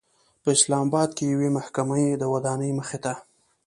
په اسلام آباد کې د یوې محکمې د ودانۍمخې ته